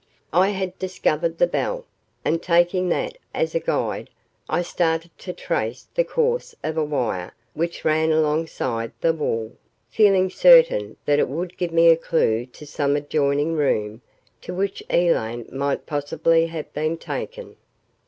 I had discovered the bell, and, taking that as a guide, I started to trace the course of a wire which ran alongside the wall, feeling certain that it would give me a clue to some adjoining room to which Elaine might possibly have been taken.